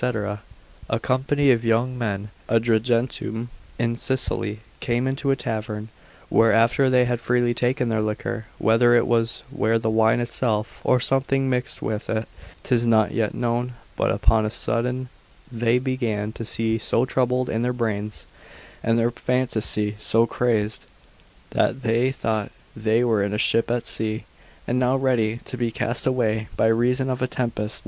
A company of young men at Agrigentum in Sicily, came into a tavern; where after they had freely taken their liquor, whether it were the wine itself, or something mixed with it 'tis not yet known, but upon a sudden they began to be so troubled in their brains, and their phantasy so crazed, that they thought they were in a ship at sea, and now ready to be cast away by reason of a tempest.